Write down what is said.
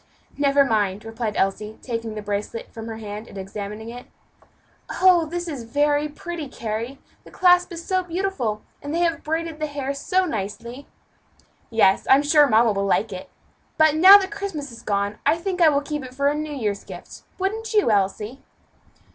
"Never mind," replied Elsie, taking the bracelet from her hand, and examining it. "Oh! this is very pretty, Carry! the clasp is so beautiful, and they have braided the hair so nicely." "Yes, I'm sure mamma will like it. But now that Christmas is gone, I think I will keep it for a New Year's gift. Wouldn't you, Elsie?"